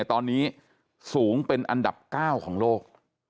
ตอนนี้สูงเป็นอันดับ๙ของโลก